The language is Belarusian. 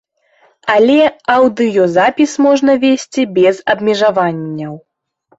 Але аўдыёзапіс можна весці без абмежаванняў.